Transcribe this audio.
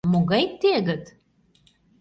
Могай тегыт?